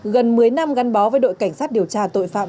gần một mươi năm gắn bó với đội cảnh sát điều tra tội phạm